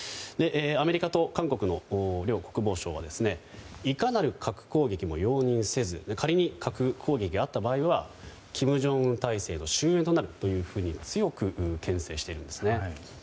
アメリカと韓国の両国防相はいかなる核攻撃も容認せず仮に核攻撃があった場合には金正恩体制の終焉となるというふうに強く牽制しているんですね。